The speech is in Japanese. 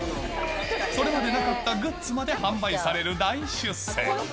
それまでなかったグッズまで販売される大出世。